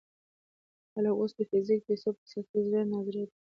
خلک اوس د فزیکي پیسو په ساتلو کې زړه نا زړه دي.